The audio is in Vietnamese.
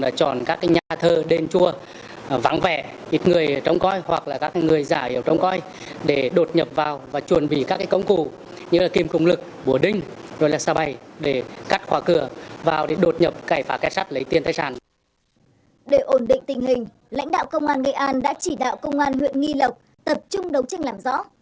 để ổn định tình hình lãnh đạo công an nghệ an đã chỉ đạo công an huyện nghi lộc tập trung đấu tranh làm rõ